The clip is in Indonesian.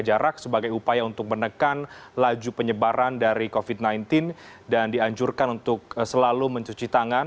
jaga jarak cuci tangan